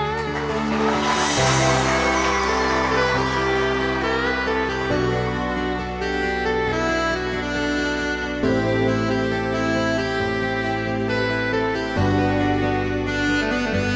ในรับทรีย์